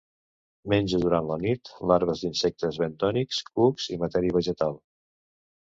Menja durant la nit larves d'insectes bentònics, cucs i matèria vegetal.